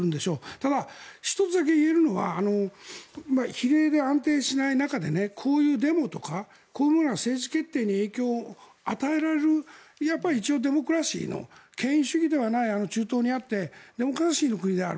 ただ、１つだけ言えるのは比例で安定しない中でこういうデモとかこういうものが政治決定に影響を与えられるデモクラシーの権威主義ではない中東にあってデモクラシーの国である。